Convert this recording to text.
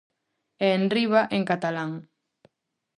E enriba, en catalán.